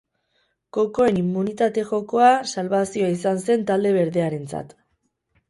Kokoen immunitate jokoa salbazioa izan zen talde berdearentzat.